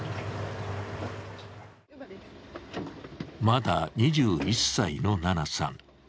まだ２１歳の、ななさん。